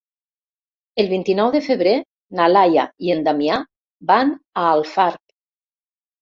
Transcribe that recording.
El vint-i-nou de febrer na Laia i en Damià van a Alfarb.